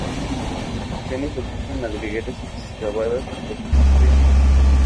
En ocasiones ocupan madrigueras excavadas por otras especies.